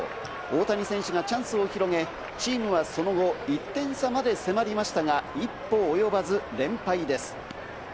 大谷選手がチャンスを広げ、チームはその後、１点差まで迫りましたが、一歩及ばず連敗です。